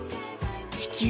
地球